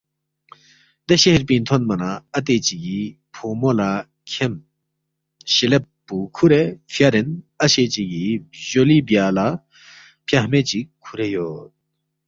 دے شہر پِنگ تھونما نہ اَتے چِگی فُونگمو لہ کھیم (شیلیب)پو کھُورے فیارین، اشے چِگی بجولی بیا لہ فیاخمے چِک کھُورے یود